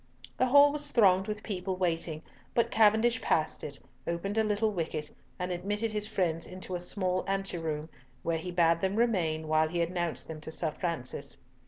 The hall was thronged with people waiting, but Cavendish passed it, opened a little wicket, and admitted his friends into a small anteroom, where he bade them remain, while he announced them to Sir Francis.